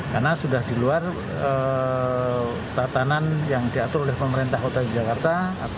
karena sudah di luar tatanan yang diatur oleh pemerintah kota yogyakarta